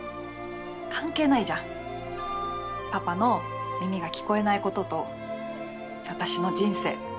関係ないじゃんパパの耳が聞こえないことと私の人生。